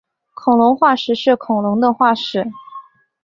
恐龙化石是恐龙的化石。